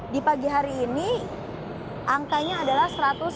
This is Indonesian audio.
di pagi hari ini angkanya adalah satu ratus sembilan puluh